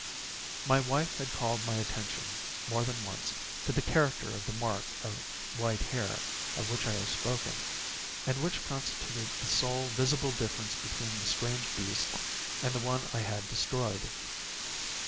My wife had called my attention, more than once, to the character of the mark of white hair, of which I have spoken, and which constituted the sole visible difference between the strange beast and the one I had destroyed.